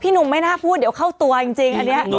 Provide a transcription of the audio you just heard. พี่หนุ่มไม่น่าพูดเดี๋ยวเข้าตัวจริง